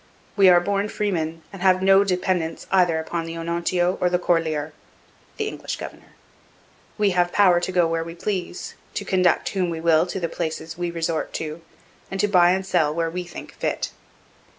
We are born freemen and have no dependence either upon the Onontio or the Corlaer [the English governor]. We have power to go where we please, to conduct whom we will to the places we resort to, and to buy and sell where we think fit...